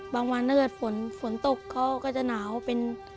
บางวันถ้าเกิดฝนฝนตกเขาก็จะหนาวเป็น